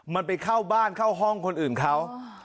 มันไปเข้าบ้านเข้าห้องคนอื่นเขา